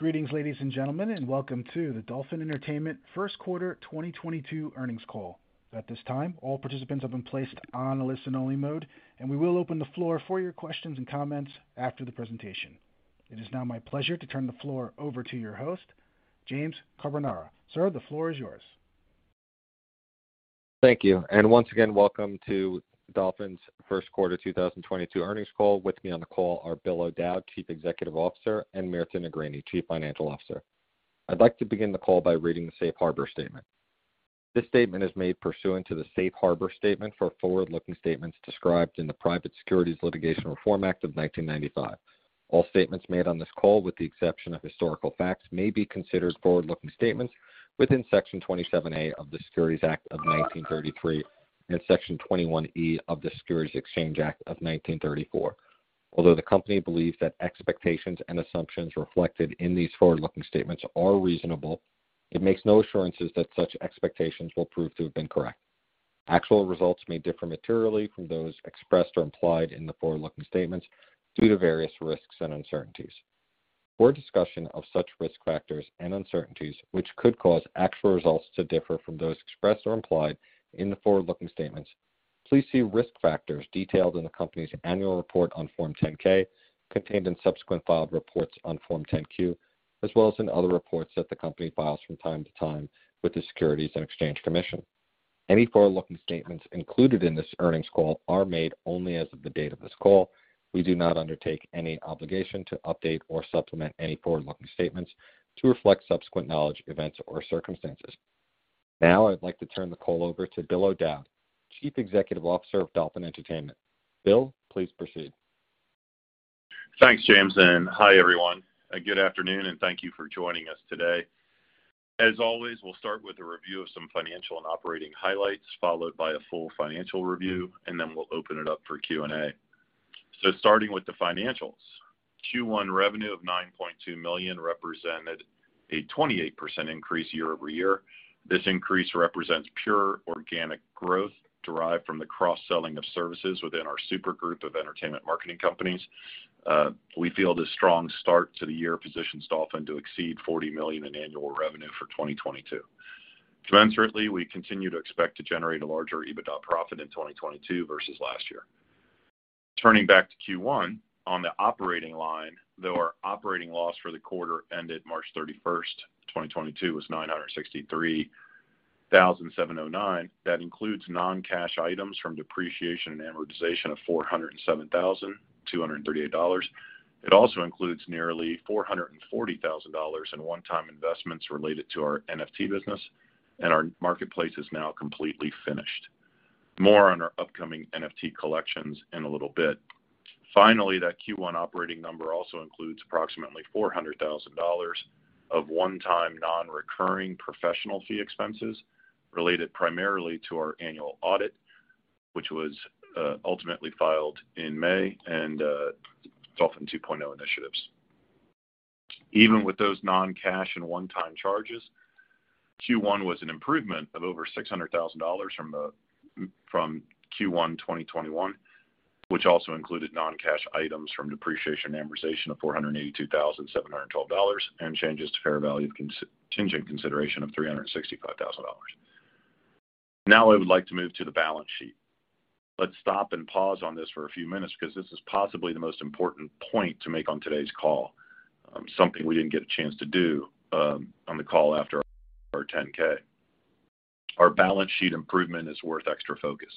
Greetings, ladies and gentlemen, and welcome to the Dolphin Entertainment First Quarter 2022 earnings call. At this time, all participants have been placed on a listen-only mode, and we will open the floor for your questions and comments after the presentation. It is now my pleasure to turn the floor over to your host, James Carbonara. Sir, the floor is yours. Thank you. Once again, welcome to Dolphin's first quarter 2022 earnings call. With me on the call are Bill O'Dowd, Chief Executive Officer, and Mirta Negrini, Chief Financial Officer. I'd like to begin the call by reading the safe harbor statement. This statement is made pursuant to the safe harbor statement for forward-looking statements described in the Private Securities Litigation Reform Act of 1995. All statements made on this call, with the exception of historical facts, may be considered forward-looking statements within Section 27A of the Securities Act of 1933 and Section 21E of the Securities Exchange Act of 1934. Although the company believes that expectations and assumptions reflected in these forward-looking statements are reasonable, it makes no assurances that such expectations will prove to have been correct. Actual results may differ materially from those expressed or implied in the forward-looking statements due to various risks and uncertainties. For a discussion of such risk factors and uncertainties which could cause actual results to differ from those expressed or implied in the forward-looking statements, please see risk factors detailed in the company's annual report on Form 10-K, contained in subsequent filed reports on Form 10-Q, as well as in other reports that the company files from time to time with the Securities and Exchange Commission. Any forward-looking statements included in this earnings call are made only as of the date of this call. We do not undertake any obligation to update or supplement any forward-looking statements to reflect subsequent knowledge, events, or circumstances. Now, I'd like to turn the call over to Bill O'Dowd, Chief Executive Officer of Dolphin Entertainment. Bill, please proceed. Thanks, James, and hi, everyone. Good afternoon, and thank you for joining us today. As always, we'll start with a review of some financial and operating highlights, followed by a full financial review, and then we'll open it up for Q&A. Starting with the financials. Q1 revenue of $9.2 million represented a 28% increase year-over-year. This increase represents pure organic growth derived from the cross-selling of services within our supergroup of entertainment marketing companies. We feel this strong start to the year positions Dolphin to exceed $40 million in annual revenue for 2022. Commensurately, we continue to expect to generate a larger EBITDA profit in 2022 versus last year. Turning back to Q1, on the operating line, though our operating loss for the quarter ended March 31, 2022 was $963,709. That includes non-cash items from depreciation and amortization of $407,238. It also includes nearly $440,000 in one-time investments related to our NFT business, and our marketplace is now completely finished. More on our upcoming NFT collections in a little bit. Finally, that Q1 operating number also includes approximately $400,000 of one-time, non-recurring professional fee expenses related primarily to our annual audit, which was ultimately filed in May, and Dolphin 2.0 initiatives. Even with those non-cash and one-time charges, Q1 was an improvement of over $600,000 from Q1 2021, which also included non-cash items from depreciation and amortization of $482,712, and change in fair value of contingent consideration of $365,000. Now I would like to move to the balance sheet. Let's stop and pause on this for a few minutes because this is possibly the most important point to make on today's call, something we didn't get a chance to do, on the call after our 10-K. Our balance sheet improvement is worth extra focus.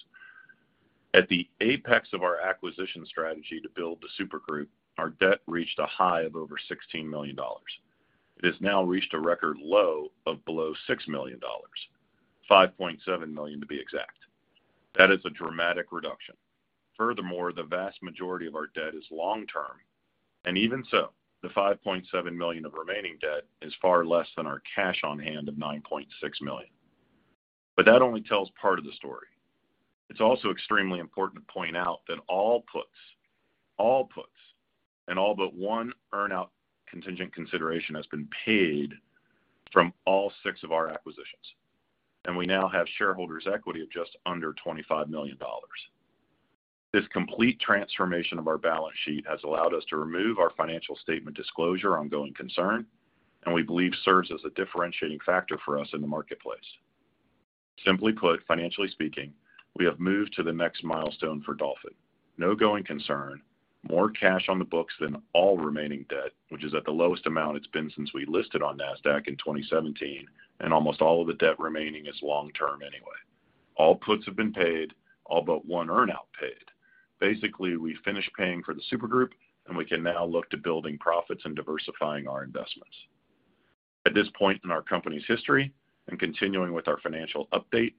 At the apex of our acquisition strategy to build the supergroup, our debt reached a high of over $16 million. It has now reached a record low of below $6 million, $5.7 million to be exact. That is a dramatic reduction. Furthermore, the vast majority of our debt is long-term, and even so, the $5.7 million of remaining debt is far less than our cash on hand of $9.6 million. That only tells part of the story. It's also extremely important to point out that all puts and all but one earn-out contingent consideration has been paid from all six of our acquisitions, and we now have shareholders' equity of just under $25 million. This complete transformation of our balance sheet has allowed us to remove our financial statement disclosure going concern, and we believe serves as a differentiating factor for us in the marketplace. Simply put, financially speaking, we have moved to the next milestone for Dolphin. No going concern, more cash on the books than all remaining debt, which is at the lowest amount it's been since we listed on Nasdaq in 2017, and almost all of the debt remaining is long-term anyway. All puts have been paid, all but one earn-out paid. Basically, we finished paying for the supergroup, and we can now look to building profits and diversifying our investments. At this point in our company's history and continuing with our financial update,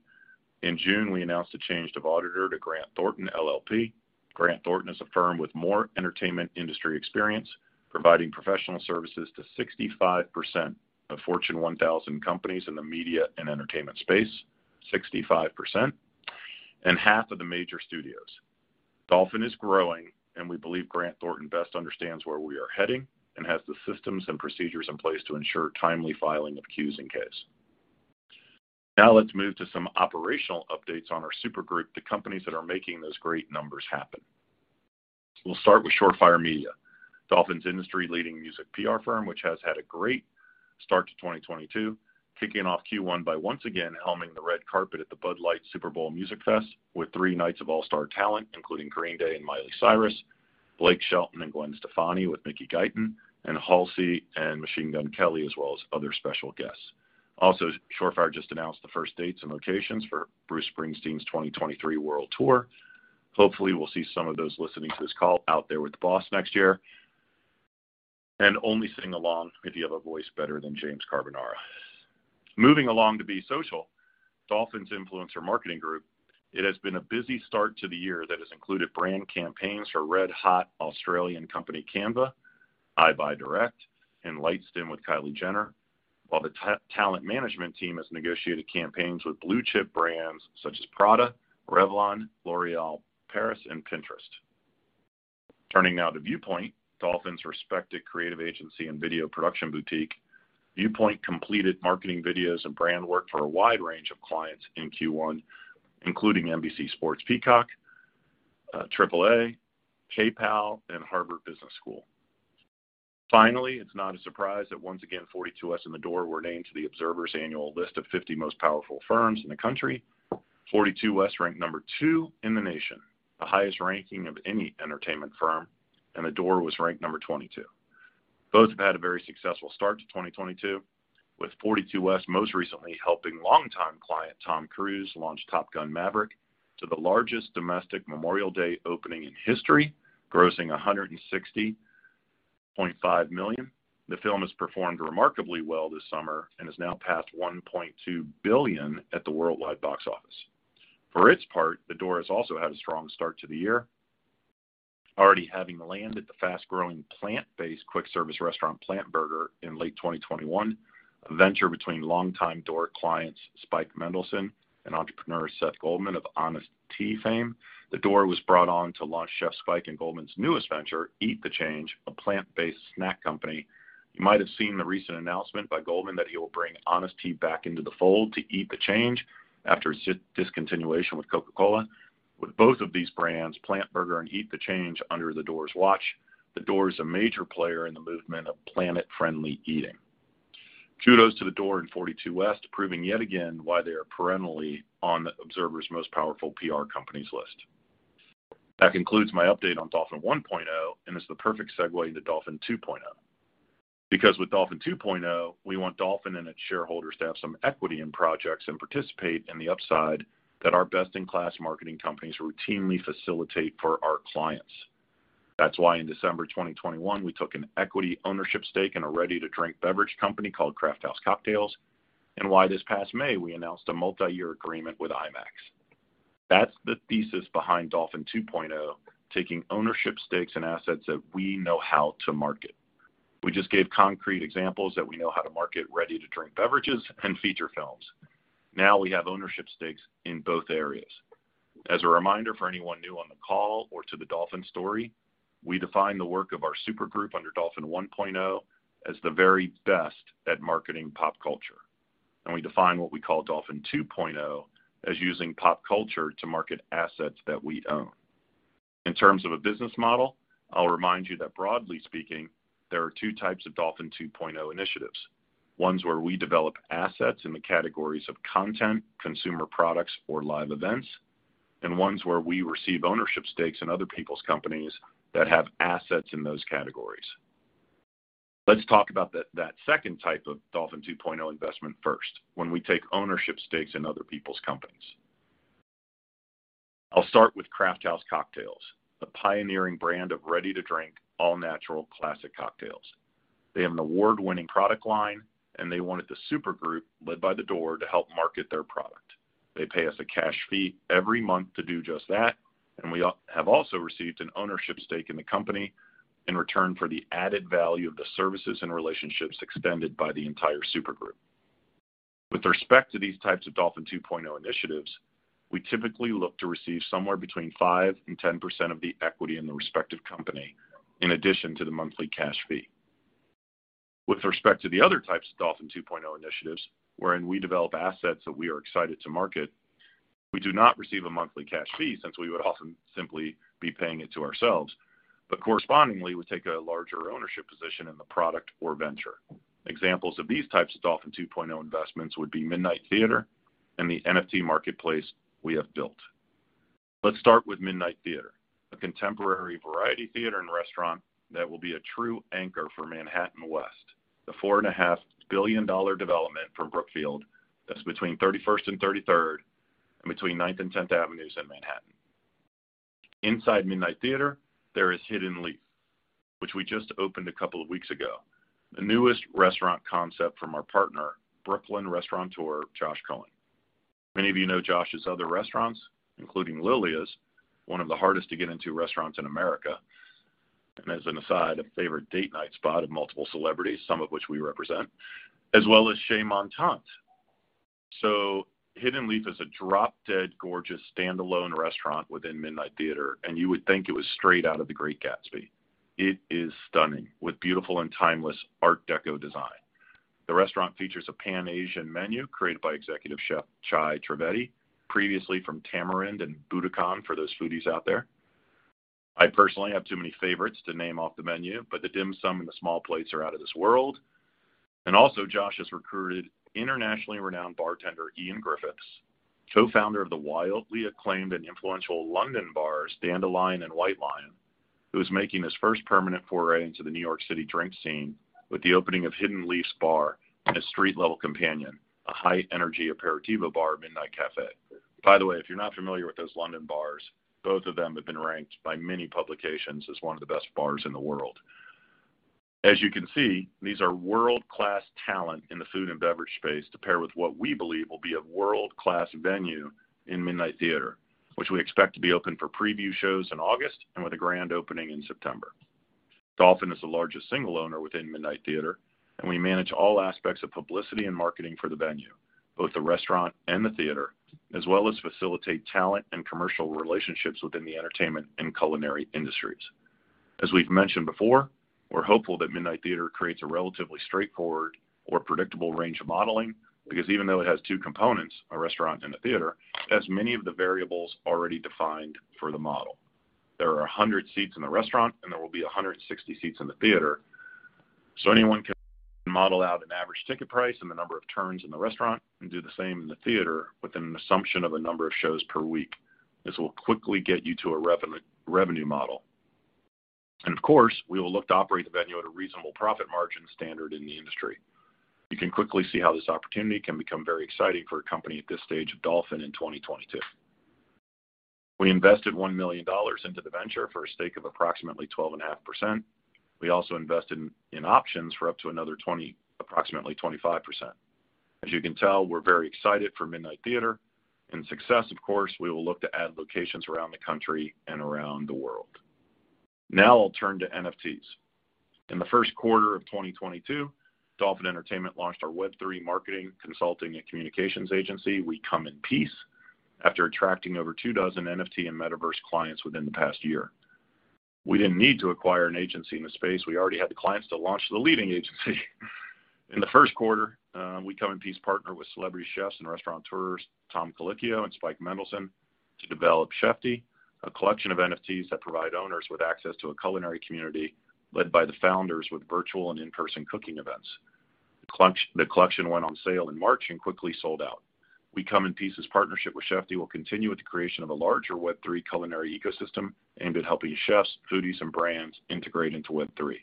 in June, we announced a change of auditor to Grant Thornton LLP. Grant Thornton is a firm with more entertainment industry experience, providing professional services to 65% of Fortune 1000 companies in the media and entertainment space, 65%, and half of the major studios. Dolphin is growing, and we believe Grant Thornton best understands where we are heading and has the systems and procedures in place to ensure timely filing of Qs and Ks. Now let's move to some operational updates on our supergroup, the companies that are making those great numbers happen. We'll start with Shore Fire Media, Dolphin's industry-leading music PR firm, which has had a great start to 2022, kicking off Q1 by once again helming the red carpet at the Bud Light Super Bowl Music Fest with three nights of all-star talent, including Green Day and Miley Cyrus, Blake Shelton and Gwen Stefani with Mickey Guyton, and Halsey and Machine Gun Kelly, as well as other special guests. Shore Fire just announced the first dates and locations for Bruce Springsteen's 2023 world tour. Hopefully, we'll see some of those listening to this call out there with The Boss next year, and only sing along if you have a voice better than James Carbonara. Moving along to Be Social, Dolphin's influencer marketing group, it has been a busy start to the year that has included brand campaigns for red-hot Australian company Canva, EyeBuyDirect, and LightStim with Kylie Jenner, while the talent management team has negotiated campaigns with blue-chip brands such as Prada, Revlon, L'Oréal Paris, and Pinterest. Turning now to Viewpoint, Dolphin's respected creative agency and video production boutique. Viewpoint completed marketing videos and brand work for a wide range of clients in Q1, including NBC Sports Peacock, AAA, PayPal, and Harvard Business School. Finally, it's not a surprise that once again, 42West and The Door were named to the Observer's annual list of 50 Most Powerful Firms in the country. 42West ranked number 2 in the nation, the highest ranking of any entertainment firm, and The Door was ranked number 22. Both have had a very successful start to 2022, with 42West most recently helping longtime client Tom Cruise launch Top Gun: Maverick to the largest domestic Memorial Day opening in history, grossing $160.5 million. The film has performed remarkably well this summer and has now passed $1.2 billion at the worldwide box office. For its part, The Door has also had a strong start to the year. Already having landed the fast-growing plant-based quick service restaurant PLNT Burger in late 2021, a venture between longtime Door clients Spike Mendelsohn and entrepreneur Seth Goldman of Honest Tea fame. The Door was brought on to launch Chef Spike and Goldman's newest venture, Eat the Change, a plant-based snack company. You might have seen the recent announcement by Seth Goldman that he will bring Honest Tea back into the fold to Eat the Change after its discontinuation with Coca-Cola. With both of these brands, PLNT Burger and Eat the Change under The Door's watch, The Door is a major player in the movement of planet-friendly eating. Kudos to The Door and 42West, proving yet again why they are perennially on the Observer's Most Powerful PR Companies list. That concludes my update on Dolphin 1.0, and it's the perfect segue into Dolphin 2.0. Because with Dolphin 2.0, we want Dolphin and its shareholders to have some equity in projects and participate in the upside that our best-in-class marketing companies routinely facilitate for our clients. That's why in December 2021, we took an equity ownership stake in a ready-to-drink beverage company called Crafthouse Cocktails, and why this past May, we announced a multi-year agreement with IMAX. That's the thesis behind Dolphin 2.0, taking ownership stakes in assets that we know how to market. We just gave concrete examples that we know how to market ready-to-drink beverages and feature films. Now we have ownership stakes in both areas. As a reminder for anyone new on the call or to the Dolphin story, we define the work of our supergroup under Dolphin 1.0 as the very best at marketing pop culture. We define what we call Dolphin 2.0 as using pop culture to market assets that we own. In terms of a business model, I'll remind you that broadly speaking, there are two types of Dolphin 2.0 initiatives. Ones where we develop assets in the categories of content, consumer products or live events, and ones where we receive ownership stakes in other people's companies that have assets in those categories. Let's talk about that second type of Dolphin 2.0 investment first, when we take ownership stakes in other people's companies. I'll start with Crafthouse Cocktails, the pioneering brand of ready-to-drink, all-natural classic cocktails. They have an award-winning product line, and they wanted the supergroup, led by The Door, to help market their product. They pay us a cash fee every month to do just that, and we have also received an ownership stake in the company in return for the added value of the services and relationships extended by the entire supergroup. With respect to these types of Dolphin 2.0 initiatives, we typically look to receive somewhere between 5% and 10% of the equity in the respective company in addition to the monthly cash fee. With respect to the other types of Dolphin 2.0 initiatives, wherein we develop assets that we are excited to market, we do not receive a monthly cash fee since we would often simply be paying it to ourselves, but correspondingly, we take a larger ownership position in the product or venture. Examples of these types of Dolphin 2.0 investments would be Midnight Theatre and the NFT marketplace we have built. Let's start with Midnight Theatre, a contemporary variety theater and restaurant that will be a true anchor for Manhattan West, the $4.5 billion development for Brookfield that's between Thirty-First and Thirty-Third and between Ninth and Tenth Avenues in Manhattan. Inside Midnight Theatre, there is Hidden Leaf, which we just opened a couple of weeks ago, the newest restaurant concept from our partner, Brooklyn restaurateur Josh Cohen. Many of you know Josh's other restaurants, including Lilia's, one of the hardest to get into restaurants in America, and as an aside, a favorite date night spot of multiple celebrities, some of which we represent, as well as Chez Ma Tante. Hidden Leaf is a drop-dead gorgeous standalone restaurant within Midnight Theatre, and you would think it was straight out of The Great Gatsby. It is stunning with beautiful and timeless art deco design. The restaurant features a Pan-Asian menu created by executive chef Chai Trivedi, previously from Tamarind and Buddakan, for those foodies out there. I personally have too many favorites to name off the menu, but the dim sum and the small plates are out of this world. Josh has recruited internationally renowned bartender Iain Griffiths, co-founder of the wildly acclaimed and influential London bars, Dandelyan and White Lyan, who is making his first permanent foray into the New York City drink scene with the opening of Hidden Leaf Bar and a street-level companion, a high energy aperitivo bar, Midnight Café. By the way, if you're not familiar with those London bars, both of them have been ranked by many publications as one of the best bars in the world. As you can see, these are world-class talent in the food and beverage space to pair with what we believe will be a world-class venue in Midnight Theatre, which we expect to be open for preview shows in August and with a grand opening in September. Dolphin is the largest single owner within Midnight Theatre, and we manage all aspects of publicity and marketing for the venue, both the restaurant and the theater, as well as facilitate talent and commercial relationships within the entertainment and culinary industries. As we've mentioned before, we're hopeful that Midnight Theatre creates a relatively straightforward or predictable range of modeling because even though it has two components, a restaurant and a theater, it has many of the variables already defined for the model. There are 100 seats in the restaurant, and there will be 160 seats in the theater. Anyone can model out an average ticket price and the number of turns in the restaurant and do the same in the theater with an assumption of a number of shows per week. This will quickly get you to a revenue model. Of course, we will look to operate the venue at a reasonable profit margin standard in the industry. You can quickly see how this opportunity can become very exciting for a company at this stage of Dolphin in 2022. We invested $1 million into the venture for a stake of approximately 12.5%. We also invested in options for up to another approximately 25%. As you can tell, we're very excited for Midnight Theatre. In success, of course, we will look to add locations around the country and around the world. Now I'll turn to NFTs. In the first quarter of 2022, Dolphin Entertainment launched our Web3 marketing, consulting, and communications agency, We Come In Peace, after attracting over 24 NFT and metaverse clients within the past year. We didn't need to acquire an agency in the space. We already had the clients to launch the leading agency. In the first quarter, We Come In Peace partnered with celebrity chefs and restaurateurs Tom Colicchio and Spike Mendelsohn to develop CHFTY, a collection of NFTs that provide owners with access to a culinary community led by the founders with virtual and in-person cooking events. The collection went on sale in March and quickly sold out. We Come In Peace's partnership with CHFTY will continue with the creation of a larger Web3 culinary ecosystem aimed at helping chefs, foodies, and brands integrate into Web3.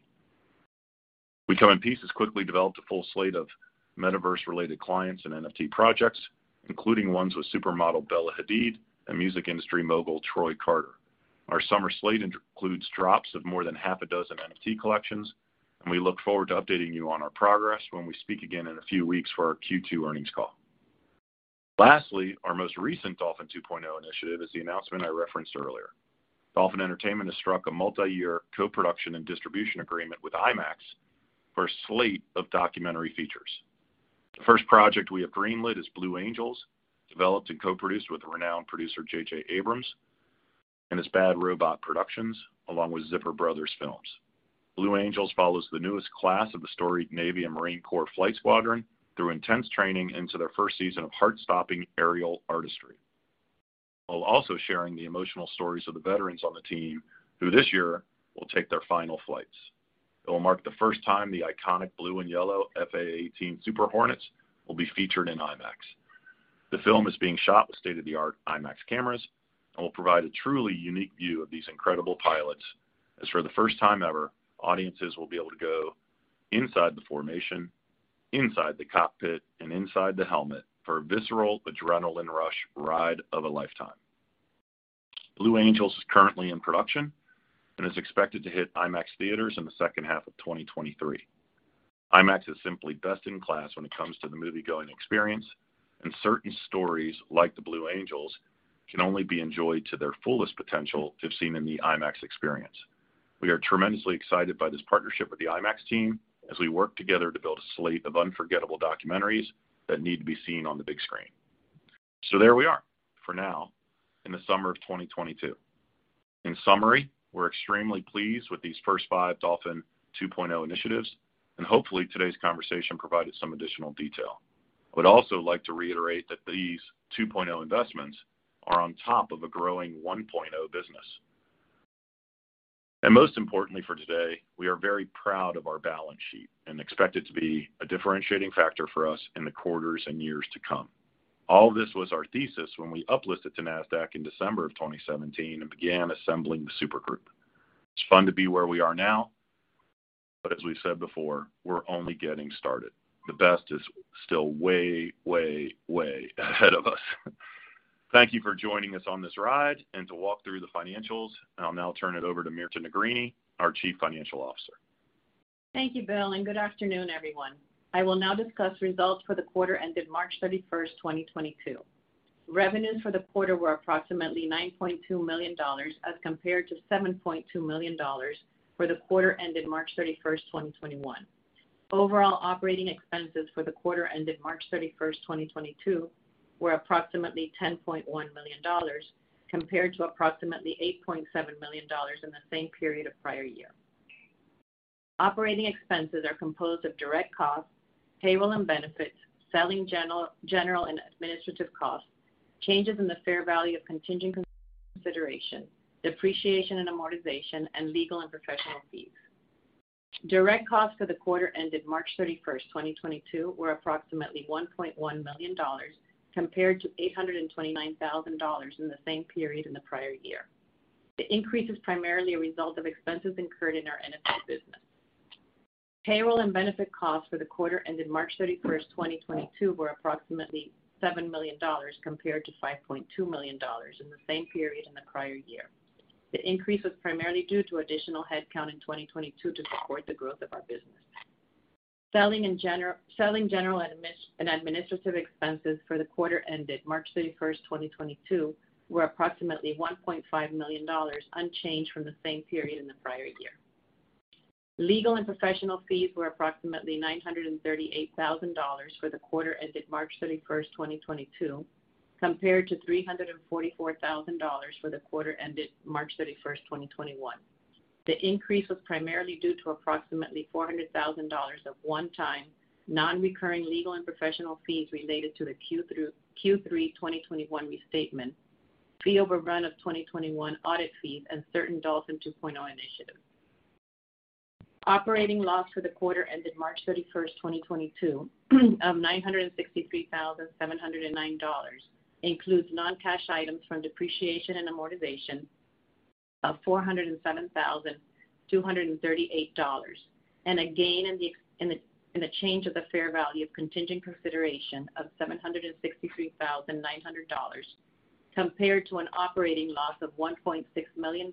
We Come In Peace has quickly developed a full slate of metaverse-related clients and NFT projects, including ones with supermodel Bella Hadid and music industry mogul Troy Carter. Our summer slate includes drops of more than half a dozen NFT collections, and we look forward to updating you on our progress when we speak again in a few weeks for our Q2 earnings call. Lastly, our most recent Dolphin 2.0 initiative is the announcement I referenced earlier. Dolphin Entertainment has struck a multi-year co-production and distribution agreement with IMAX for a slate of documentary features. The first project we have greenlit is Blue Angels, developed and co-produced with renowned producer J.J. Abrams and his Bad Robot Productions along with Zipper Bros Films. Blue Angels follows the newest class of the storied Navy and Marine Corps flight squadron through intense training into their first season of heart-stopping aerial artistry, while also sharing the emotional stories of the veterans on the team who this year will take their final flights. It will mark the first time the iconic blue and yellow F/A-18 Super Hornets will be featured in IMAX. The film is being shot with state-of-the-art IMAX cameras and will provide a truly unique view of these incredible pilots, as for the first time ever, audiences will be able to go inside the formation, inside the cockpit, and inside the helmet for a visceral adrenaline rush ride of a lifetime. The Blue Angels is currently in production and is expected to hit IMAX theaters in the second half of 2023. IMAX is simply best in class when it comes to the moviegoing experience, and certain stories like the Blue Angels can only be enjoyed to their fullest potential if seen in the IMAX experience. We are tremendously excited by this partnership with the IMAX team as we work together to build a slate of unforgettable documentaries that need to be seen on the big screen. There we are for now in the summer of 2022. In summary, we're extremely pleased with these first five Dolphin 2.0 initiatives, and hopefully today's conversation provided some additional detail. I would also like to reiterate that these 2.0 investments are on top of a growing Dolphin 1.0 business. Most importantly for today, we are very proud of our balance sheet and expect it to be a differentiating factor for us in the quarters and years to come. All of this was our thesis when we uplisted to Nasdaq in December 2017 and began assembling the supergroup. It's fun to be where we are now, but as we said before, we're only getting started. The best is still way, way ahead of us. Thank you for joining us on this ride and to walk through the financials. I'll now turn it over to Mirta Negrini, our Chief Financial Officer. Thank you, Bill, and good afternoon, everyone. I will now discuss results for the quarter ended March 31, 2022. Revenues for the quarter were approximately $9.2 million as compared to $7.2 million for the quarter ended March 31, 2021. Overall operating expenses for the quarter ended March 31, 2022 were approximately $10.1 million compared to approximately $8.7 million in the same period of prior year. Operating expenses are composed of direct costs, payroll and benefits, selling, general and administrative costs, changes in the fair value of contingent consideration, depreciation and amortization, and legal and professional fees. Direct costs for the quarter ended March 31, 2022 were approximately $1.1 million compared to $829 thousand in the same period in the prior year. The increase is primarily a result of expenses incurred in our NFT business. Payroll and benefit costs for the quarter ended March 31, 2022 were approximately $7 million compared to $5.2 million in the same period in the prior year. The increase was primarily due to additional headcount in 2022 to support the growth of our business. Selling, general and administrative expenses for the quarter ended March 31, 2022 were approximately $1.5 million, unchanged from the same period in the prior year. Legal and professional fees were approximately $938 thousand for the quarter ended March 31, 2022, compared to $344 thousand for the quarter ended March 31, 2021. The increase was primarily due to approximately $400,000 of one-time non-recurring legal and professional fees related to the Q1 through Q3 2021 restatement, fee overrun of 2021 audit fees, and certain Dolphin 2.0 initiatives. Operating loss for the quarter ended March 31, 2022 of $963,709 includes non-cash items from depreciation and amortization of $407,238, and a gain in the change of the fair value of contingent consideration of $763,900 compared to an operating loss of $1.6 million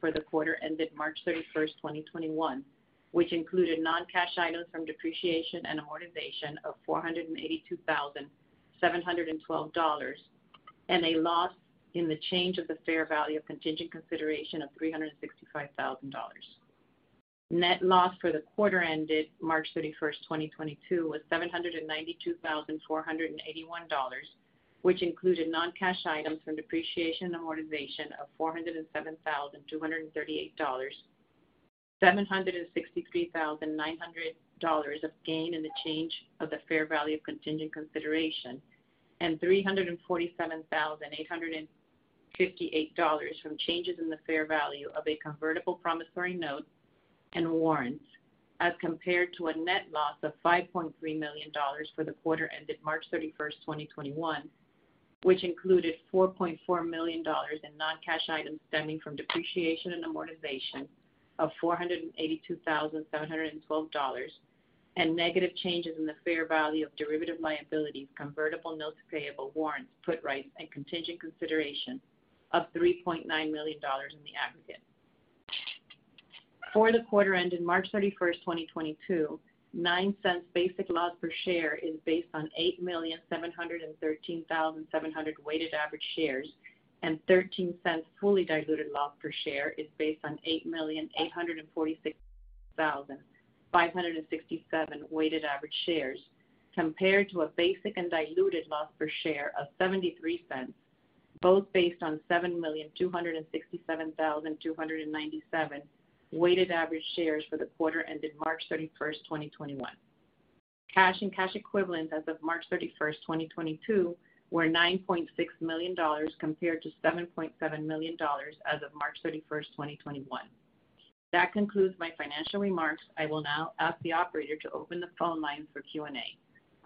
for the quarter ended March 31, 2021, which included non-cash items from depreciation and amortization of $482,712, and a loss in the change of the fair value of contingent consideration of $365,000. Net loss for the quarter ended March 31, 2022 was $792,481, which included non-cash items from depreciation and amortization of $407,238, $763,900 of gain in the change of the fair value of contingent consideration, and $347,858 from changes in the fair value of a convertible promissory note and warrants, as compared to a net loss of $5.3 million for the quarter ended March 31, 2021, which included $4.4 million in non-cash items stemming from depreciation and amortization of $482,712 and negative changes in the fair value of derivative liabilities, convertible notes payable, warrants, put rights, and contingent consideration of $3.9 million in the aggregate. For the quarter ended March thirty-first, 2022, $0.09 basic loss per share is based on 8,713,700 weighted average shares, and $0.13 fully diluted loss per share is based on 8,846,567 weighted average shares compared to a basic and diluted loss per share of $0.73, both based on 7,267,297 weighted average shares for the quarter ended March thirty-first, 2021. Cash and cash equivalents as of March thirty-first, 2022 were $9.6 million compared to $7.7 million as of March thirty-first, 2021. That concludes my financial remarks. I will now ask the operator to open the phone line for Q&A.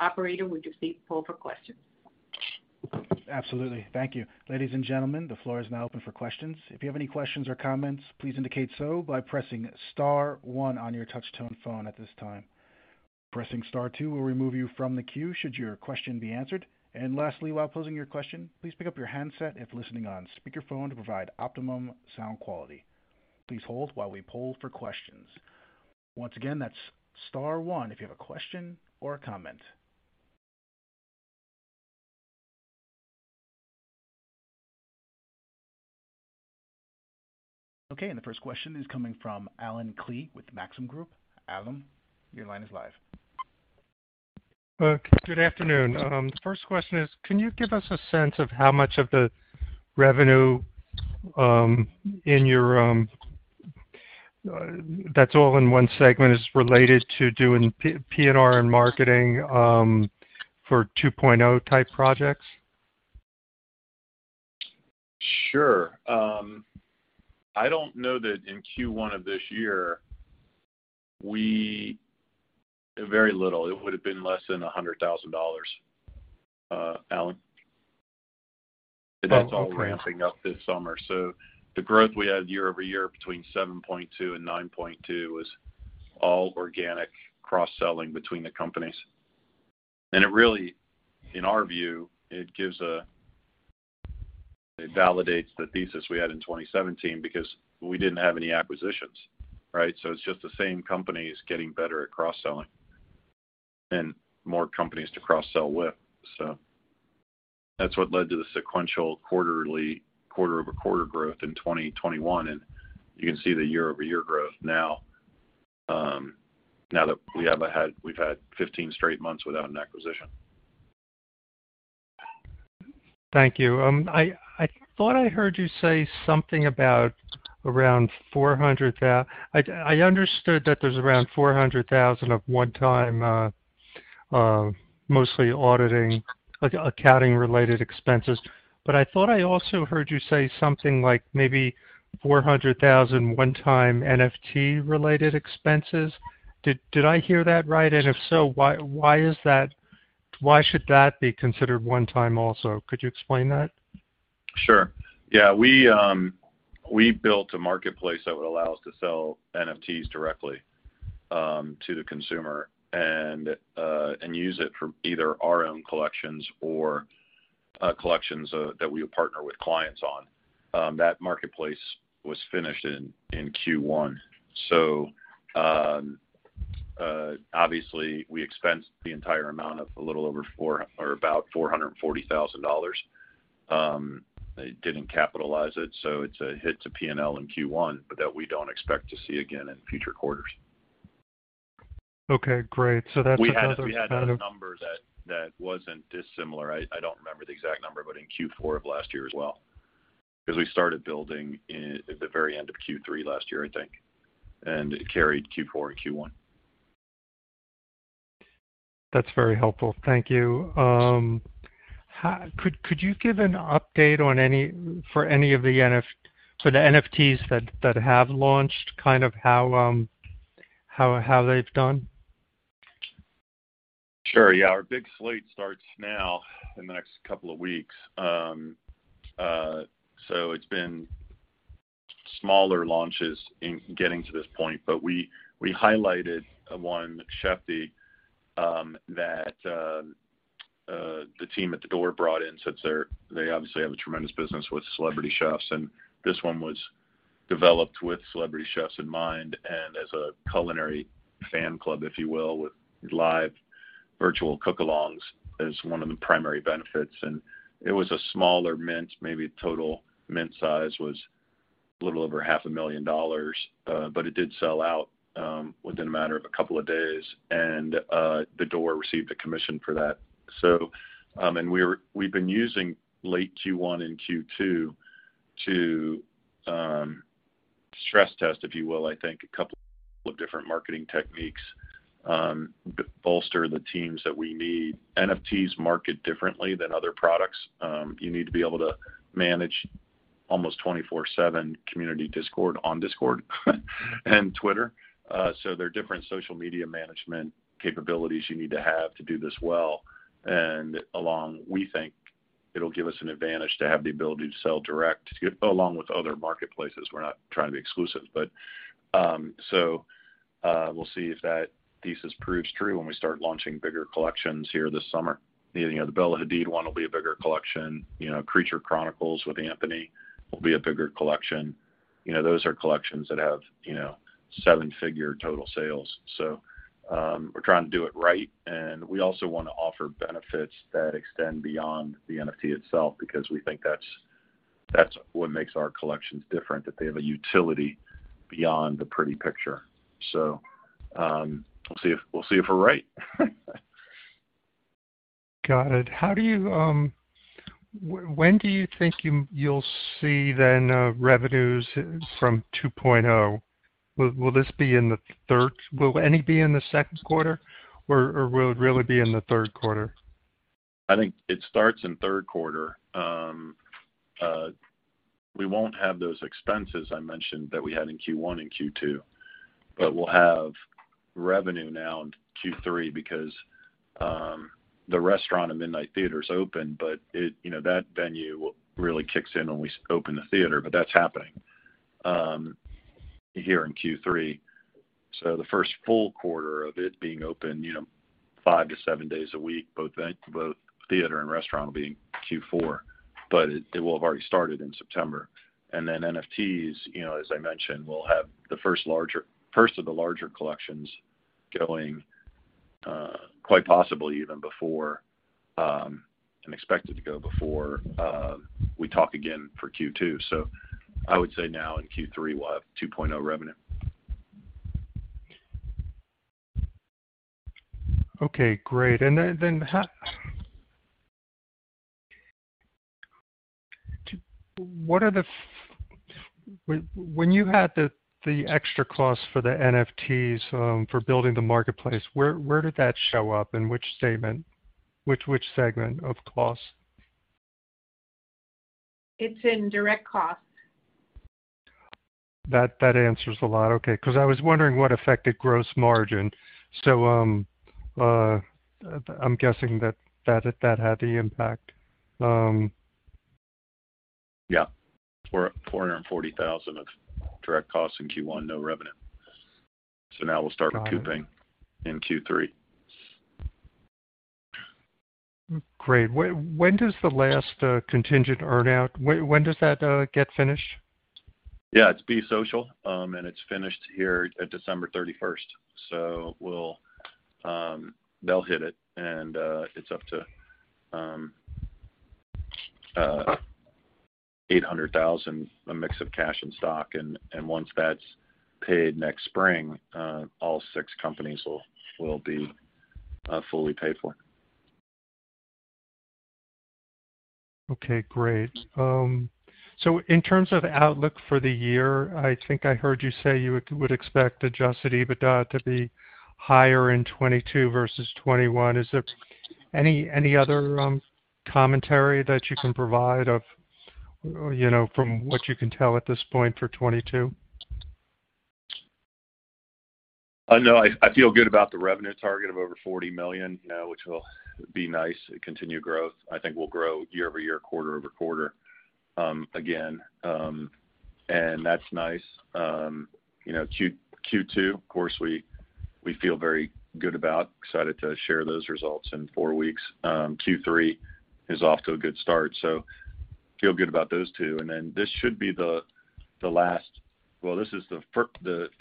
Operator, would you please poll for questions? Absolutely. Thank you. Ladies and gentlemen, the floor is now open for questions. If you have any questions or comments, please indicate so by pressing star one on your touch-tone phone at this time. Pressing star two will remove you from the queue should your question be answered. Lastly, while posing your question, please pick up your handset if listening on speakerphone to provide optimum sound quality. Please hold while we poll for questions. Once again, that's star one if you have a question or a comment. Okay. The first question is coming from Allen Klee with Maxim Group. Allen, your line is live. Good afternoon. The first question is, can you give us a sense of how much of the revenue that's all in one segment is related to doing PR and marketing for 2.0 type projects? Sure. I don't know that in Q1 of this year, Very little. It would have been less than $100,000, Allen Klee. That's all ramping up this summer. The growth we had year-over-year between 7.2% and 9.2% was all organic cross-selling between the companies. It really, in our view, it validates the thesis we had in 2017 because we didn't have any acquisitions, right? It's just the same companies getting better at cross-selling and more companies to cross-sell with. That's what led to the sequential quarterly quarter-over-quarter growth in 2021, and you can see the year-over-year growth now that we've had 15 straight months without an acquisition. Thank you. I thought I heard you say something about around $400,000 of one-time, mostly auditing, like accounting-related expenses. I understood that there's around $400,000 of one-time, mostly auditing, like accounting-related expenses. I thought I also heard you say something like maybe $400,000 one-time NFT-related expenses. Did I hear that right? And if so, why is that? Why should that be considered one-time also? Could you explain that? Sure. Yeah. We built a marketplace that would allow us to sell NFTs directly to the consumer and use it for either our own collections or collections that we would partner with clients on. That marketplace was finished in Q1. Obviously we expensed the entire amount of a little over $400,000 or about $440,000. They didn't capitalize it, so it's a hit to P&L in Q1, but that we don't expect to see again in future quarters. Okay, great. That's another kind of We had a number that wasn't dissimilar. I don't remember the exact number, but in Q4 of last year as well, because we started building in at the very end of Q3 last year, I think, and it carried Q4 and Q1. That's very helpful. Thank you. Could you give an update on any of the NFTs that have launched, kind of how they've done? Sure. Yeah. Our big slate starts now in the next couple of weeks. It's been smaller launches in getting to this point, but we highlighted one, CHFTY, that the team at The Door brought in since they obviously have a tremendous business with celebrity chefs. This one was developed with celebrity chefs in mind and as a culinary fan club, if you will, with live virtual cook-alongs as one of the primary benefits. It was a smaller mint, maybe total mint size was a little over half a million dollars, but it did sell out within a matter of a couple of days. The Door received a commission for that. We've been using late Q1 and Q2 to stress test, if you will, I think a couple of different marketing techniques, bolster the teams that we need. NFTs market differently than other products. You need to be able to manage almost 24/7 community Discord on Discord and Twitter. There are different social media management capabilities you need to have to do this well. Along we think it'll give us an advantage to have the ability to sell direct, along with other marketplaces. We're not trying to be exclusive, but we'll see if that thesis proves true when we start launching bigger collections here this summer. You know, the Bella Hadid one will be a bigger collection. You know, Creature Chronicles with Anthony will be a bigger collection. You know, those are collections that have, you know, seven-figure total sales. We're trying to do it right. We also want to offer benefits that extend beyond the NFT itself because we think that's what makes our collections different, that they have a utility beyond the pretty picture. We'll see if we're right. Got it. When do you think you'll see then, revenues from 2.0? Will this be in the third? Will any be in the second quarter or will it really be in the third quarter? I think it starts in third quarter. We won't have those expenses I mentioned that we had in Q1 and Q2, but we'll have revenue now in Q3 because the restaurant and Midnight Theatre is open. It. You know, that venue really kicks in when we open the theater, but that's happening here in Q3. The first full quarter of it being open, you know, 5-7 days a week, both theater and restaurant will be in Q4, but it will have already started in September. Then NFTs, you know, as I mentioned, we'll have the first of the larger collections going, quite possibly even before and expected to go before we talk again for Q2. I would say now in Q3, we'll have 2.0 revenue. Okay, great. When you had the extra costs for the NFTs for building the marketplace, where did that show up, in which statement? Which segment of costs? It's in direct costs. That answers a lot. Okay. 'Cause I was wondering what affected gross margin. I'm guessing that had the impact. $440,000 of direct costs in Q1, no revenue. Now we'll start accruing. Got it. In Q3. Great. When does the last contingent earn-out, when does that get finished? It's Be Social, fiscal year ended December thirty-first. They'll hit it, and it's up to $800,000, a mix of cash and stock, and once that's paid next spring, all six companies will be fully paid for. Okay, great. In terms of outlook for the year, I think I heard you say you would expect adjusted EBITDA to be higher in 2022 versus 2021. Is there any other commentary that you can provide of, you know, from what you can tell at this point for 2022? No, I feel good about the revenue target of over $40 million, you know, which will be nice. Continue growth. I think we'll grow year-over-year, quarter-over-quarter, again, and that's nice. You know, Q2, of course, we feel very good about. Excited to share those results in 4 weeks. Q3 is off to a good start, so feel good about those two. This should be the last—well, this is the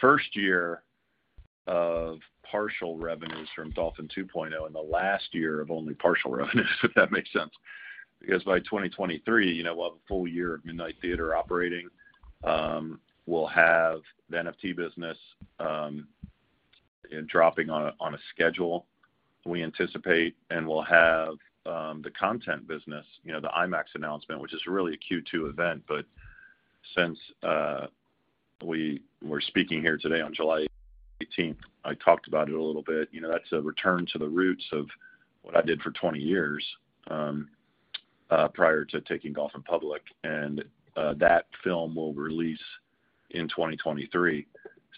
first year of partial revenues from Dolphin 2.0 and the last year of only partial revenues, if that makes sense. Because by 2023, you know, we'll have a full year of Midnight Theatre operating, we'll have the NFT business dropping on a schedule. We anticipate and will have the content business, you know, the IMAX announcement, which is really a Q2 event. Since we were speaking here today on July 18, I talked about it a little bit. You know, that's a return to the roots of what I did for 20 years prior to taking Dolphin public. That film will release in 2023.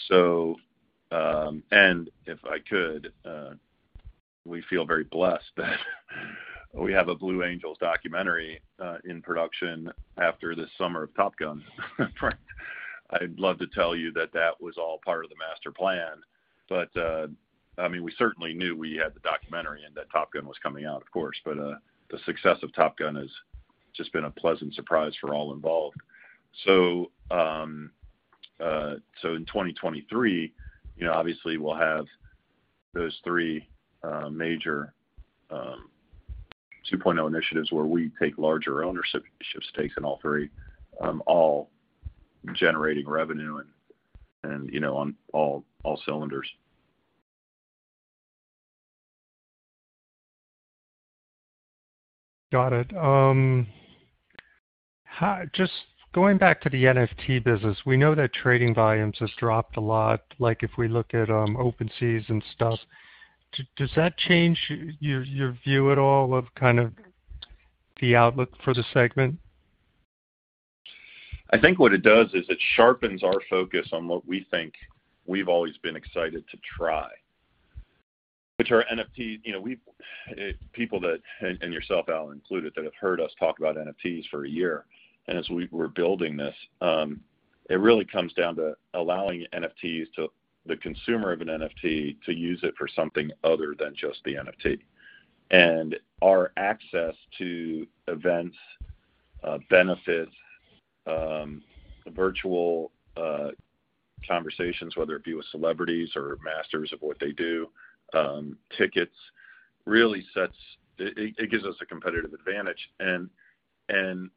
If I could, we feel very blessed that we have a Blue Angels documentary in production after this summer of Top Gun. I'd love to tell you that that was all part of the master plan, but I mean, we certainly knew we had the documentary and that Top Gun was coming out, of course. The success of Top Gun has just been a pleasant surprise for all involved. in 2023, you know, obviously we'll have those three major 2.0 initiatives where we take larger ownership stakes in all three, all generating revenue and, you know, on all cylinders. Got it. Just going back to the NFT business, we know that trading volumes has dropped a lot, like if we look at OpenSea and stuff. Does that change your view at all of kind of the outlook for the segment? I think what it does is it sharpens our focus on what we think we've always been excited to try, which are NFT. You know, people that, and yourself, Allen, included, that have heard us talk about NFTs for a year, and as we're building this, it really comes down to allowing the consumer of an NFT to use it for something other than just the NFT. Our access to events, benefits, virtual conversations, whether it be with celebrities or masters of what they do, tickets, really sets. It gives us a competitive advantage and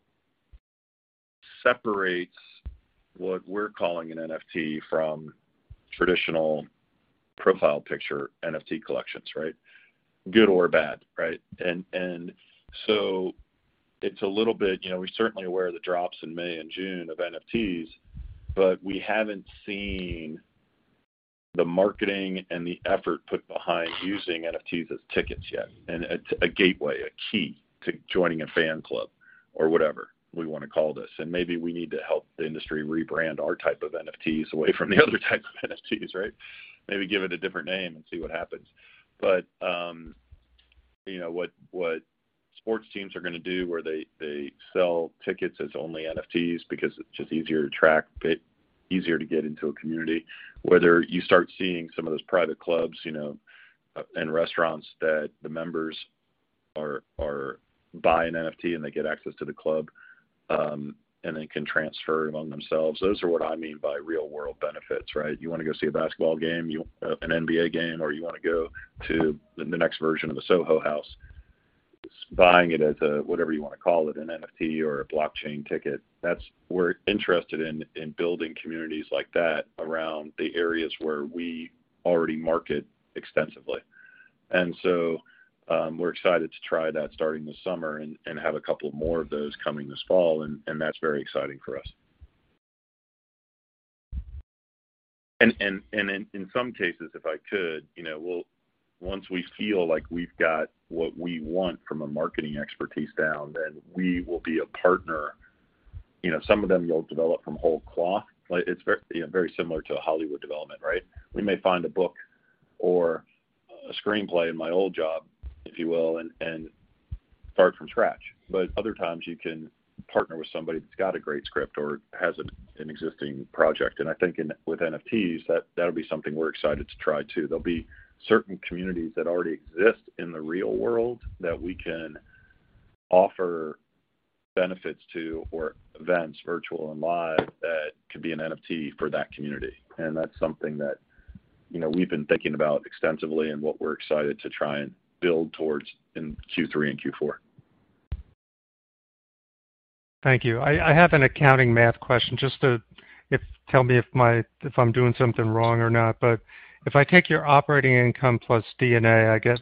separates what we're calling an NFT from traditional profile picture NFT collections, right? Good or bad, right? It's a little bit. You know, we're certainly aware of the drops in May and June of NFTs, but we haven't seen the marketing and the effort put behind using NFTs as tickets yet, and it's a gateway, a key to joining a fan club or whatever we wanna call this. Maybe we need to help the industry rebrand our type of NFTs away from the other type of NFTs, right? Maybe give it a different name and see what happens. But, you know, what sports teams are gonna do, where they sell tickets as only NFTs because it's just easier to track, easier to get into a community. Whether you start seeing some of those private clubs, you know, and restaurants that the members buy an NFT, and they can transfer among themselves. Those are what I mean by real world benefits, right? You wanna go see a basketball game, an NBA game, or you wanna go to the next version of a Soho House, buying it as a, whatever you wanna call it, an NFT or a blockchain ticket. We're interested in building communities like that around the areas where we already market extensively. We're excited to try that starting this summer and have a couple more of those coming this fall and that's very exciting for us. In some cases, once we feel like we've got what we want from a marketing expertise down, then we will be a partner. You know, some of them you'll develop from whole cloth. Like, it's very similar to a Hollywood development, right? We may find a book or a screenplay in my old job, if you will, and start from scratch. Other times you can partner with somebody that's got a great script or has an existing project. I think in with NFTs, that'll be something we're excited to try too. There'll be certain communities that already exist in the real world that we can offer benefits to or events, virtual and live, that could be an NFT for that community. That's something that, you know, we've been thinking about extensively and what we're excited to try and build towards in Q3 and Q4. Thank you. I have an accounting math question just to tell me if I'm doing something wrong or not. If I take your operating income plus D&A, I get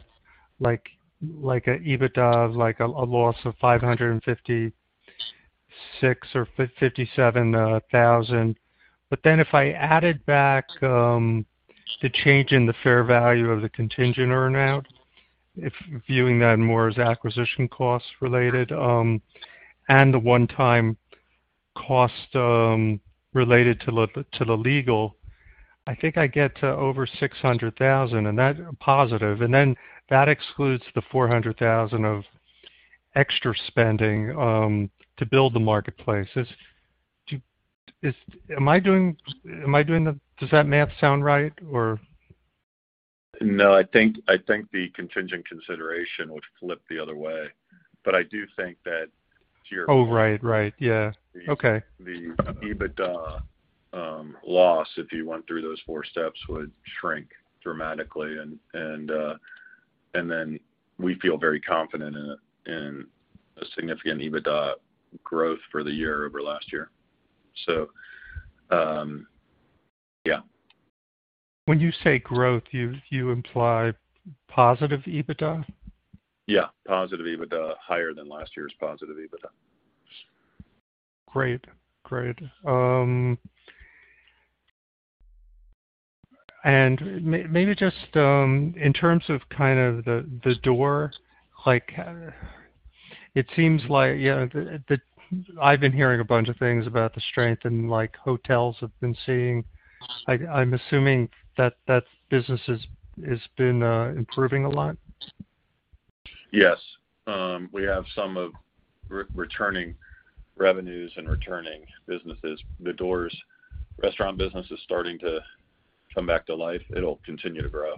like a EBITDA of like a loss of $556 thousand or $557 thousand. Then if I added back the change in the fair value of the contingent earn-out, if viewing that more as acquisition costs related, and the one-time cost related to the legal, I think I get to over $600 thousand, and that positive. Then that excludes the $400 thousand of extra spending to build the marketplace. Does that math sound right? No, I think the contingent consideration would flip the other way. I do think that your- Oh, right. Right. Yeah. Okay. The EBITDA loss, if you went through those four steps, would shrink dramatically. Then we feel very confident in a significant EBITDA growth for the year over last year. Yeah. When you say growth, you imply positive EBITDA? Yeah. Positive EBITDA higher than last year's positive EBITDA. Great. Maybe just in terms of kind of The Door, like, it seems like, you know, I've been hearing a bunch of things about the strength and like hotels have been seeing. I'm assuming that business has been improving a lot. Yes. We have some returning revenues and returning businesses. The Door's restaurant business is starting to come back to life. It'll continue to grow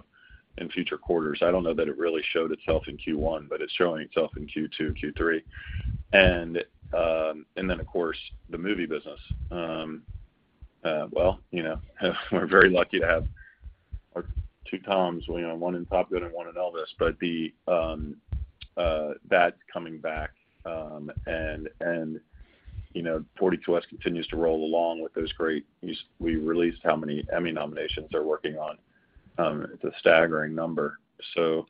in future quarters. I don't know that it really showed itself in Q1, but it's showing itself in Q2 and Q3. Then of course, the movie business. Well, you know, we're very lucky to have our two Toms, you know, one in Top Gun and one in Elvis. But that's coming back. And you know, 42West continues to roll along with those great. We released how many Emmy nominations they're working on. It's a staggering number. The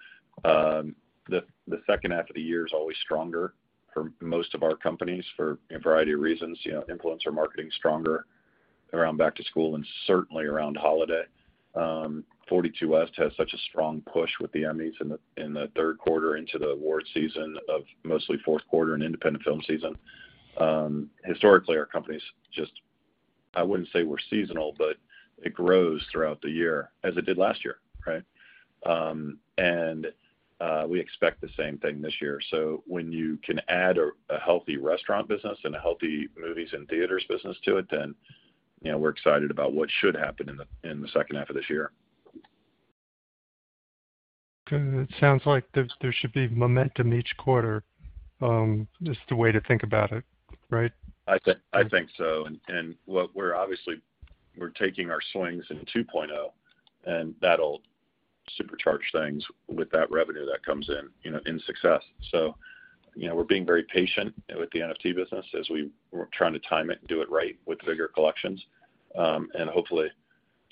second half of the year is always stronger for most of our companies for a variety of reasons. You know, influencer marketing is stronger around back to school and certainly around holiday. 42West has such a strong push with the Emmys in the third quarter into the award season of mostly fourth quarter and independent film season. Historically, our companies, I wouldn't say we're seasonal, but it grows throughout the year as it did last year, right? We expect the same thing this year. When you can add a healthy restaurant business and a healthy movies and theaters business to it, then, you know, we're excited about what should happen in the second half of this year. Okay. It sounds like there should be momentum each quarter, is the way to think about it, right? I think so. What we're obviously taking our swings in 2.0, and that'll supercharge things with that revenue that comes in, you know, in success. You know, we're being very patient with the NFT business as we're trying to time it and do it right with bigger collections. Hopefully,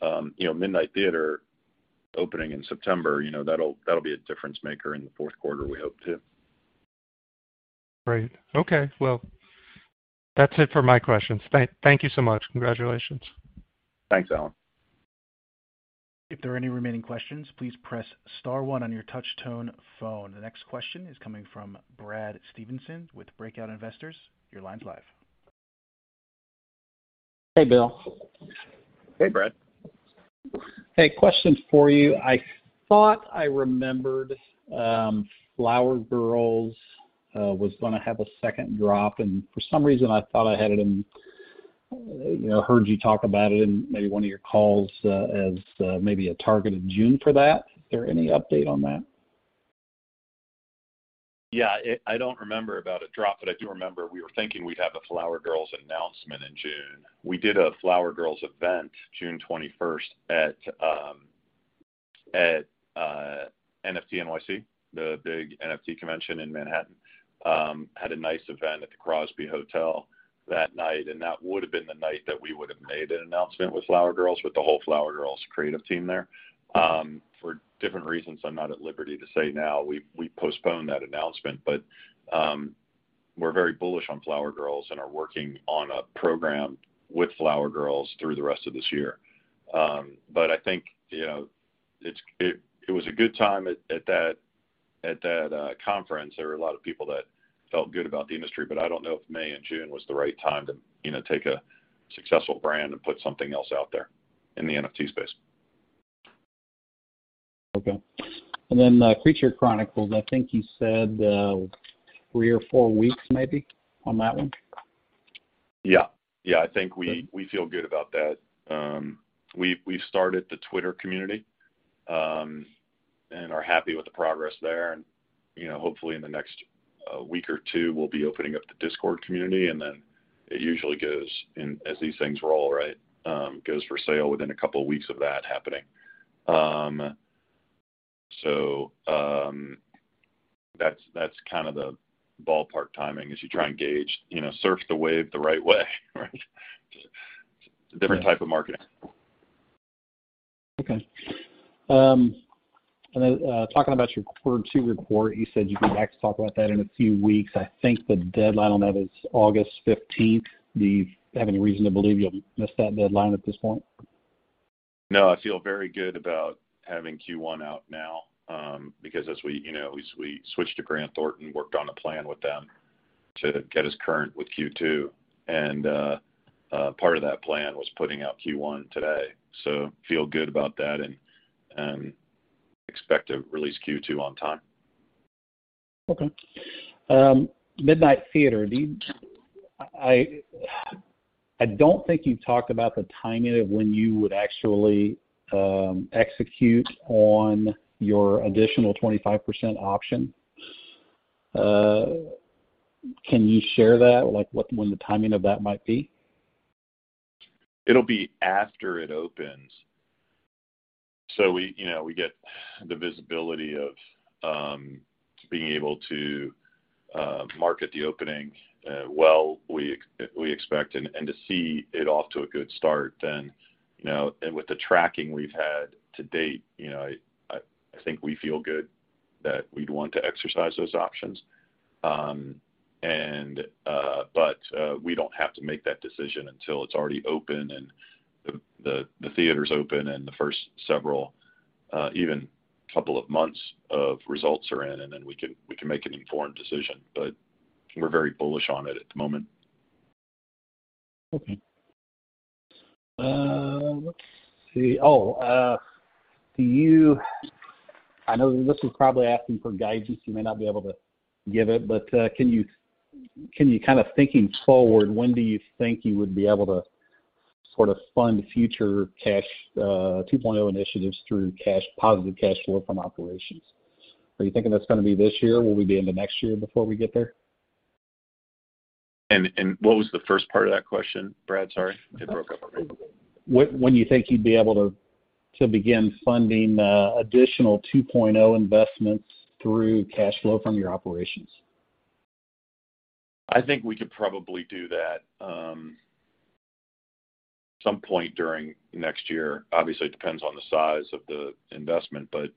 you know, Midnight Theatre opening in September, you know, that'll be a difference maker in the fourth quarter, we hope too. Great. Okay. Well, that's it for my questions. Thank you so much. Congratulations. Thanks, Allen. If there are any remaining questions, please press star one on your touch tone phone. The next question is coming from Brad Stevenson with Breakout Investors. Your line's live. Hey, Bill. Hey, Brad. Hey, question for you. I thought I remembered Flower Girls was gonna have a second drop, and for some reason I thought I had it, you know, heard you talk about it in maybe one of your calls, as maybe a target of June for that. Is there any update on that? Yeah. I don't remember about a drop, but I do remember we were thinking we'd have a Flower Girls announcement in June. We did a Flower Girls event June 21st at NFT.NYC, the big NFT convention in Manhattan. Had a nice event at the Crosby Hotel that night, and that would have been the night that we would have made an announcement with Flower Girls, with the whole Flower Girls creative team there. For different reasons I'm not at liberty to say now, we postponed that announcement. We're very bullish on Flower Girls and are working on a program with Flower Girls through the rest of this year. I think, you know, it was a good time at that conference. There were a lot of people that felt good about the industry, but I don't know if May and June was the right time to, you know, take a successful brand and put something else out there in the NFT space. Okay. Creature Chronicles, I think you said, 3 or 4 weeks maybe on that one? Yeah, I think we feel good about that. We started the X community and are happy with the progress there and, you know, hopefully in the next week or two, we'll be opening up the Discord community, and then it usually goes in as these things roll, right? Goes for sale within a couple of weeks of that happening. So, that's kind of the ballpark timing as you try and gauge, you know, surf the wave the right way, right? It's a different type of marketing. Talking about your quarter two report, you said you'd be back to talk about that in a few weeks. I think the deadline on that is August fifteenth. Do you have any reason to believe you'll miss that deadline at this point? No, I feel very good about having Q1 out now, because as we switched to Grant Thornton, worked on a plan with them to get us current with Q2. Part of that plan was putting out Q1 today, so feel good about that and expect to release Q2 on time. Okay. Midnight Theatre. I don't think you've talked about the timing of when you would actually execute on your additional 25% option. Can you share that, like when the timing of that might be? It'll be after it opens. We, you know, we get the visibility of being able to market the opening, well, we expect and to see it off to a good start then. You know, with the tracking we've had to date, you know, I think we feel good that we'd want to exercise those options. We don't have to make that decision until it's already open and the theater's open and the first several, even couple of months of results are in, and then we can make an informed decision. We're very bullish on it at the moment. Okay. Let's see. I know this is probably asking for guidance, you may not be able to give it, but can you kind of thinking forward, when do you think you would be able to sort of fund future cash 2.0 initiatives through cash positive cash flow from operations? Are you thinking that's gonna be this year? Will we be into next year before we get there? What was the first part of that question, Brad? Sorry. It broke up a bit. When you think you'd be able to begin funding additional 2.0 investments through cash flow from your operations? I think we could probably do that some point during next year. Obviously, it depends on the size of the investment, but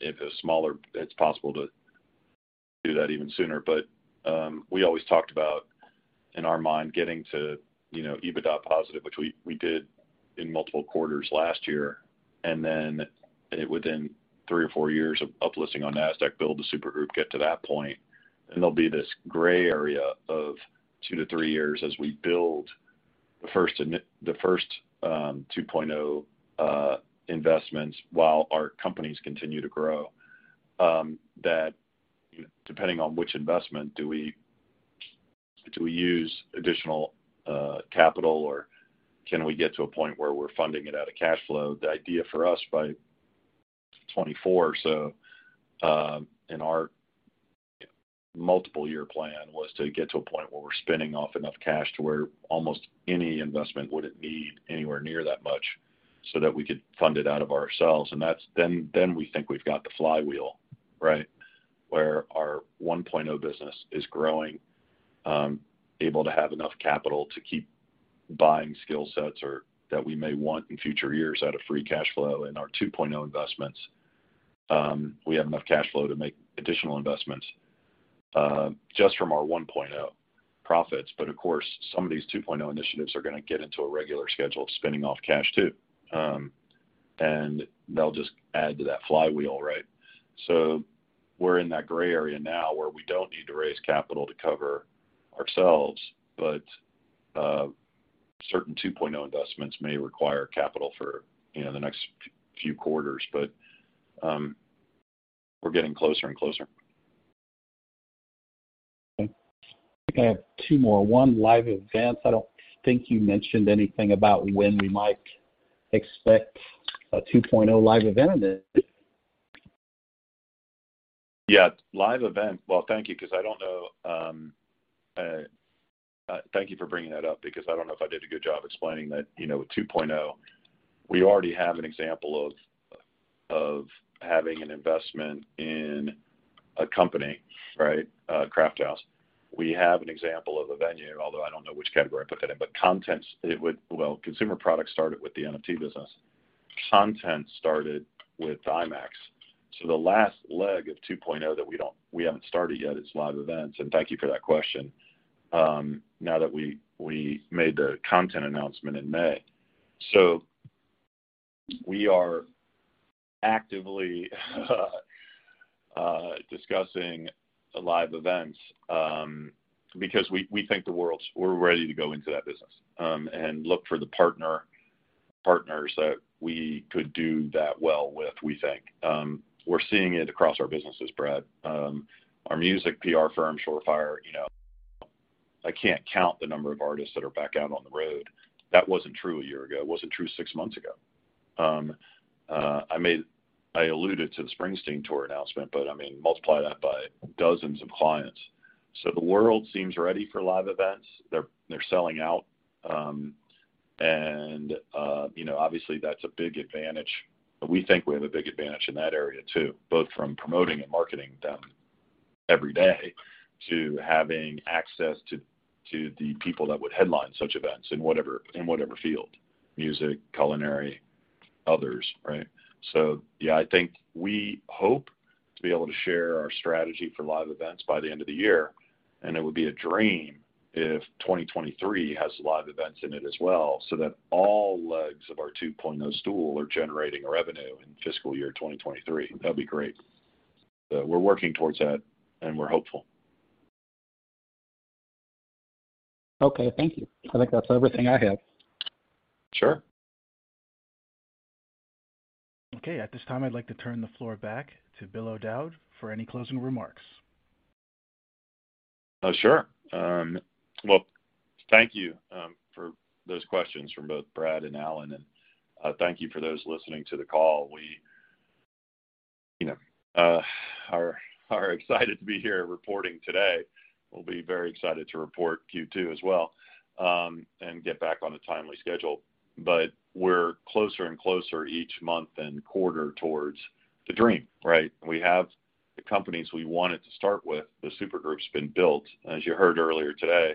if it's smaller, it's possible to do that even sooner. We always talked about, in our mind, getting to, you know, EBITDA positive, which we did in multiple quarters last year. Within three or four years of up-listing on Nasdaq, build the super group, get to that point. There'll be this gray area of two to three years as we build the first 2.0 investments while our companies continue to grow. That depending on which investment do we use additional capital or can we get to a point where we're funding it out of cash flow? The idea for us by 2024 or so, in our multi-year plan, was to get to a point where we're throwing off enough cash to where almost any investment wouldn't need anywhere near that much so that we could fund it out of ourselves. Then we think we've got the flywheel, right? Where our 1.0 business is growing, able to have enough capital to keep buying skill sets or that we may want in future years out of free cash flow in our 2.0 investments. We have enough cash flow to make additional investments just from our 1.0 profits. Of course, some of these 2.0 initiatives are gonna get into a regular schedule of throwing off cash too. They'll just add to that flywheel, right? We're in that gray area now where we don't need to raise capital to cover ourselves, but certain 2.0 investments may require capital for, you know, the next few quarters. We're getting closer and closer. Okay. I have two more. One, live events. I don't think you mentioned anything about when we might expect a 2.0 live event. Yeah. Live event. Well, thank you because I don't know, thank you for bringing that up because I don't know if I did a good job explaining that, you know, with 2.0, we already have an example of having an investment in a company, right? Crafthouse. We have an example of a venue, although I don't know which category I put that in, but content. Well, consumer products started with the NFT business. Content started with IMAX. So the last leg of 2.0 that we haven't started yet is live events. Thank you for that question, now that we made the content announcement in May. We are actively discussing live events, because we think we're ready to go into that business, and look for the partners that we could do that well with, we think. We're seeing it across our businesses, Brad. Our music PR firm, Shore Fire, you know, I can't count the number of artists that are back out on the road. That wasn't true a year ago. It wasn't true six months ago. I alluded to the Springsteen tour announcement, but I mean, multiply that by dozens of clients. The world seems ready for live events. They're selling out. You know, obviously that's a big advantage. We think we have a big advantage in that area too, both from promoting and marketing them every day to having access to the people that would headline such events in whatever field, music, culinary, others, right? Yeah, I think we hope to be able to share our strategy for live events by the end of the year, and it would be a dream if 2023 has live events in it as well, so that all legs of our 2.0 stool are generating revenue in fiscal year 2023. That'd be great. We're working towards that, and we're hopeful. Okay. Thank you. I think that's everything I have. Sure. Okay. At this time, I'd like to turn the floor back to Bill O'Dowd for any closing remarks. Sure. Well, thank you for those questions from both Brad and Allen, and thank you for those listening to the call. We, you know, are excited to be here reporting today. We'll be very excited to report Q2 as well, and get back on a timely schedule. We're closer and closer each month and quarter towards the dream, right? We have the companies we wanted to start with. The super group's been built. As you heard earlier today,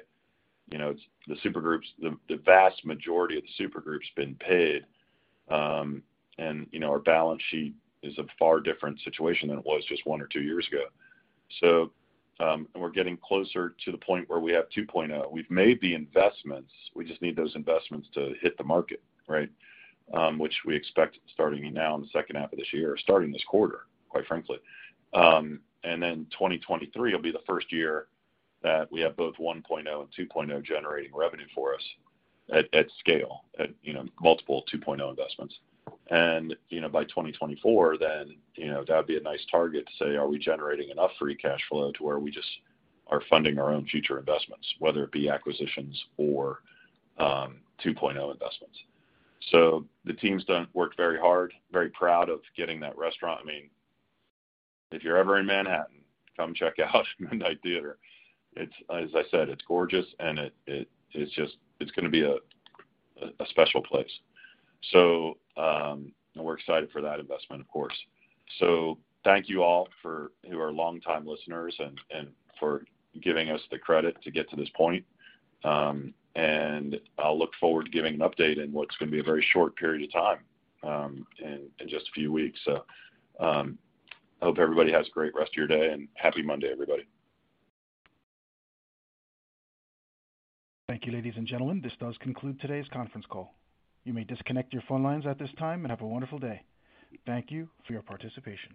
you know, the vast majority of the super group's been paid. And, you know, our balance sheet is a far different situation than it was just one or two years ago. We're getting closer to the point where we have 2.0. We've made the investments. We just need those investments to hit the market, right? Which we expect starting now in the second half of this year, starting this quarter, quite frankly. Then 2023 will be the first year that we have both 1.0 and 2.0 generating revenue for us at scale, you know, multiple 2.0 investments. You know, by 2024 then, you know, that'd be a nice target to say, are we generating enough free cash flow to where we just are funding our own future investments, whether it be acquisitions or two point o investments. The team worked very hard. I'm very proud of getting that restaurant. I mean, if you're ever in Manhattan, come check out Midnight Theatre. It's, as I said, it's gorgeous, and it's just gonna be a special place. We're excited for that investment, of course. Thank you all who are longtime listeners and for giving us the credit to get to this point. I'll look forward to giving an update in what's gonna be a very short period of time, in just a few weeks. Hope everybody has a great rest of your day, and happy Monday, everybody. Thank you, ladies and gentlemen. This does conclude today's conference call. You may disconnect your phone lines at this time and have a wonderful day. Thank you for your participation.